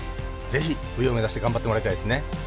ぜひ、上を目指して頑張ってもらいたいですね。